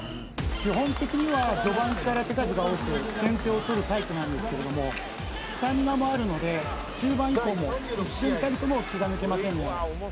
基本的には序盤から手数が多く先手をとるタイプなんですけれどもスタミナもあるので中盤以降も一瞬たりとも気が抜けませんね